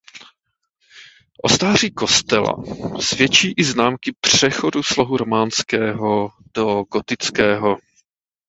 O stáří kostela svědčí i známky přechodu slohu románského do gotického.